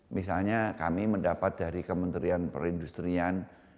misalnya kami mendapat dari kementerian perindustrian